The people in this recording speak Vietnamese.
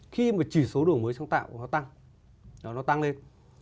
khi mà chỉ số đổi mới sáng tạo tăng lên